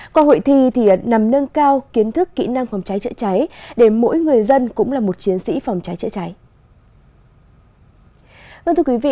qua hội thi nằm nâng cao kiến thức kỹ năng phòng cháy chữa cháy để mỗi người dân cũng là một chiến sĩ phòng cháy chữa cháy